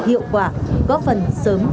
hiệu quả góp phần sớm